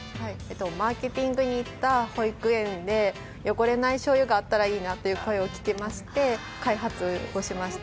マーケティングに行った保育園で、汚れないしょうゆがいいなという意見を聞いてい開発をしました。